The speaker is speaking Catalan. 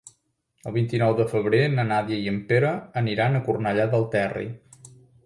El vint-i-nou de febrer na Nàdia i en Pere aniran a Cornellà del Terri.